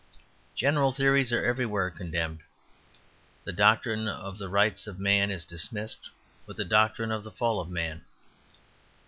General theories are everywhere contemned; the doctrine of the Rights of Man is dismissed with the doctrine of the Fall of Man.